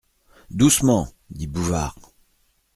Doucement ! dit Bouvard.